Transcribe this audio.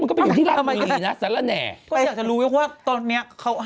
ก็ไปอยู่ที่รามณีนะสารแหน่ก็อยากจะรู้ว่าตอนเนี้ยเขา